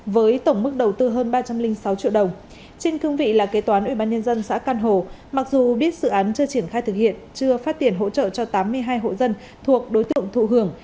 với tổng mức đầu tư hơn ba trăm linh sáu triệu đồng trên cương vị là kế toán ubnd xã can hồ mặc dù biết dự án chưa triển khai thực hiện chưa phát tiền hỗ trợ cho tám mươi hai hộ dân thuộc đối tượng thụ hưởng